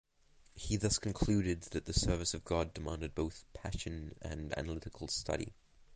He thus concluded that the service of God demanded both passion and analytical study.